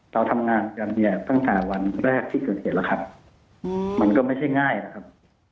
เราทำงานกันเนี่ยตั้งแต่วันแรกที่เกิดเหตุแล้วครับมันก็ไม่ใช่ง่ายนะครับ